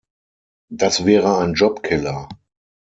Das wäre ein Job-Killer.